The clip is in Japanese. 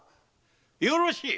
よろしい！